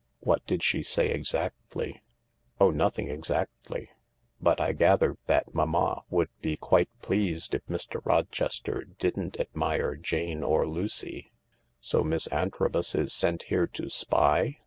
" What did she say exactly ?"" Oh, nothing exactly. But I gathered that Mamma would be quite pleased if Mr. Rochester didn't admire Jane or Lucy." " So Miss Antrobus is sent here to spy